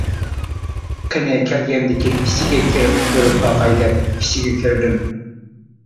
قېنى، كەلگەندىكىن ئىچىگە كىرىپ كۆرۈپ باقاي دەپ ئىچىگە كىردىم.